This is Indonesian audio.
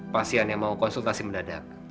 pasien yang mau konsultasi mendadak